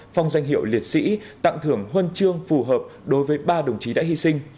phong danh hiệu liệt sĩ tặng thưởng huân chương phù hợp đối với ba đồng chí đã hy sinh